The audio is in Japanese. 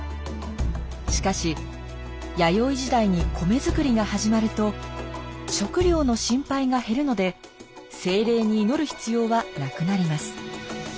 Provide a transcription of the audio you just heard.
しかし弥生時代に米づくりが始まると食料の心配が減るので精霊に祈る必要はなくなります。